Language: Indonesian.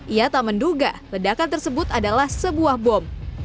ia tak menduga ledakan tersebut adalah sebuah bom